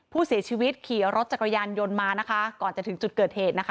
ผู้เสียชีวิตขี่รถจักรยานยนต์มานะคะก่อนจะถึงจุดเกิดเหตุนะคะ